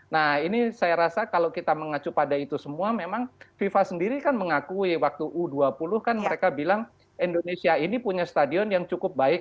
nah ini saya rasa kalau kita mengacu pada itu semua memang fifa sendiri kan mengakui waktu u dua puluh kan mereka bilang indonesia ini punya stadion yang cukup baik